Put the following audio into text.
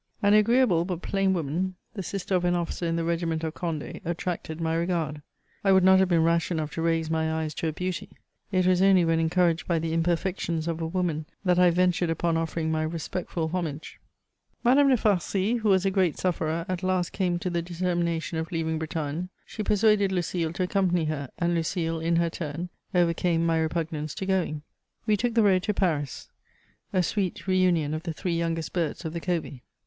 An agreeable but plain woman, the sister of an officer in the regiment of Conde attracted my regard ; I would not have been rash enough to raise my eyes to a beauty ; it was only when encouraged by the imperfections of a woman that I ventured upon offering my respectful homage. Madame de Farcy, who was a great sufferer, at last came to the determination of leaving Bretagne. She persuaded Lucile to accompany her, and Lucile, in her turn, overcame my repugnance to going. We took the road to Paris : a sweet reunion of the three youngest birds of the covey.